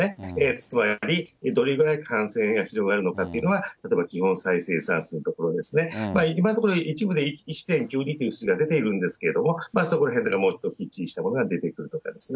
つまりどれぐらい感染が広がるのかっていうのは例えば基本再生産数のところですね、今のところ１．９２という数字が出ているんですけれども、そこらへんが一致したものが出てくると思いますね。